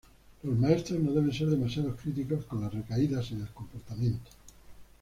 Los maestros no deben ser demasiado críticos con las recaídas en el comportamiento.